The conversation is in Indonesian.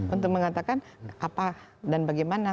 untuk mengatakan apa dan bagaimana